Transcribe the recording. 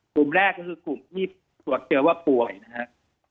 กลุ่มแรกก็คือกลุ่มที่ตรวจเจอว่าป่วยนะครับ